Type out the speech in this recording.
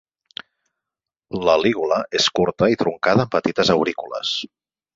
La lígula és curta i truncada amb petites aurícules.